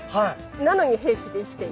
なのに平気で生きている。